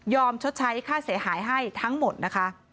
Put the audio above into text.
ชดใช้ค่าเสียหายให้ทั้งหมดนะคะ